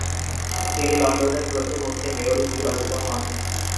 তিনি লন্ডনের প্রথম মুসলিম মেয়র নির্বাচিত হন।